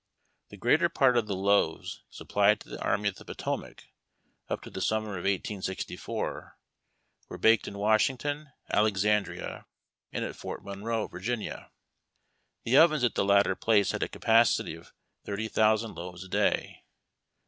The greater part of the loaves sup plied to the Army of the Potomac up to the summer of 186 ± were baked in Washington, Alexandria, and at Fort Monroe, Virginia. The ovens at the latter place had a capacity of thirty thousand loaves a day.